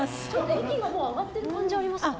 息のほう上がってる感じありますか？